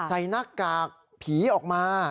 หน้ากากผีออกมา